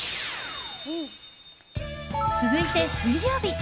続いて、水曜日。